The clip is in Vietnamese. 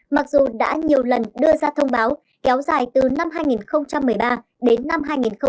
một lần đưa ra thông báo kéo dài từ năm hai nghìn một mươi ba đến năm hai nghìn một mươi năm